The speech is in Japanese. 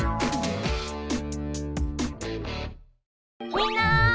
みんな！